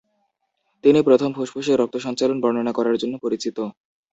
তিনি প্রথম ফুসফুসের রক্ত সঞ্চালন বর্ণনা করার জন্য পরিচিত।